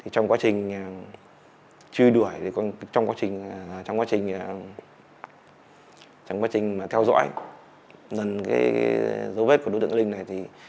trong quá trình truy đuổi trong quá trình theo dõi dấu vết của đối tượng linh này